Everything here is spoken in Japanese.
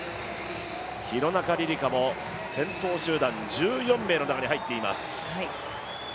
廣中璃梨佳も先頭集団１４名の中に入っています。